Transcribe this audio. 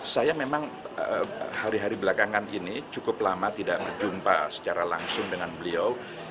saya memang hari hari belakangan ini cukup lama tidak berjumpa secara langsung dengan beliau